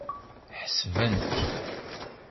Ḥesben.